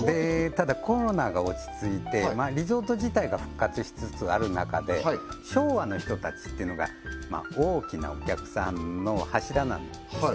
ただコロナが落ち着いてリゾート自体が復活しつつある中で昭和の人たちっていうのがまあ大きなお客さんの柱なんですね